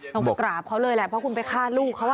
ต้องไปกราบเขาเลยแหละเพราะคุณไปฆ่าลูกเขา